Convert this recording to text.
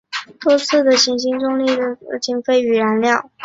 多次的行星重力助推将节省经费与燃料。